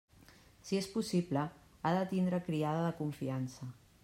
Si és possible, ha de tindre criada de confiança.